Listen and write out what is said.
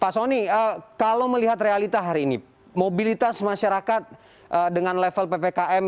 pak soni kalau melihat realita hari ini mobilitas masyarakat dengan level ppkm